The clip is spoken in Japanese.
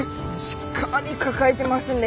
しっかり抱えてますんで。